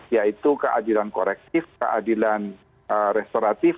yaitu keadilan korektif keadilan restoratif